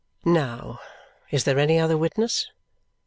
Now. Is there any other witness?